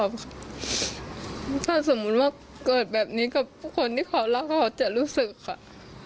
กลางแผนกันเลยมั้ยค้าบอกเค้า